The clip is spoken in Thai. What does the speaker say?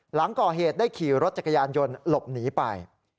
หลังก่อเหตุได้ขี่รถจักรยานยนต์หลบหนีไป